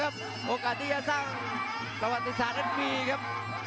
สวัสดีศาสตร์นักภีร์ครับ